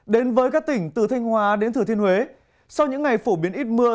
đến với các tỉnh từ thanh hóa đến thừa thiên huế sau những ngày phổ biến ít mưa